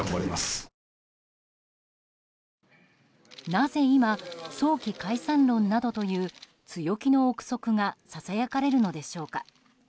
なぜ今、早期解散論などという強気の憶測がささやかれるのでしょうか。